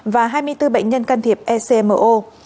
và hai mươi bốn bệnh nhân can thiệp ecmo